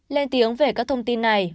lên tiếng về các thông tin này